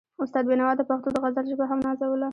استاد بينوا د پښتو د غزل ژبه هم نازوله.